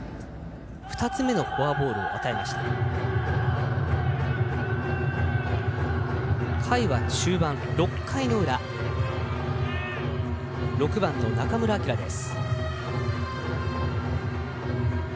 ２つ目のフォアボールの小川回は中盤６回の裏、６番の中村晃です。